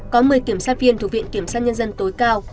có một mươi kiểm soát viên thuộc viện kiểm soát nhân dân tối cao